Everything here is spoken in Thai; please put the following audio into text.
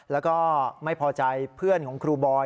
แล้วก็ไม่พอใจเพื่อนของครูบอย